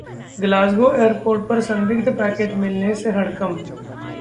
Glasgow airport पर संदिग्ध पैकेट मिलने से हड़कंप